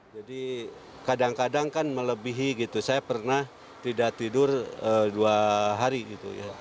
jadi kadang kadang kan melebihi gitu saya pernah tidak tidur dua hari gitu ya